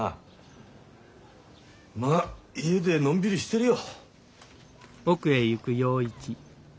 ま家でのんびりしてるよ。